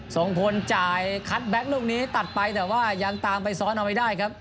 ส่งพลจ่ายคัทแก๊กลูกนี้ตัดไปแต่ว่ายังตามไปซ้อนเอาไว้ได้ครับ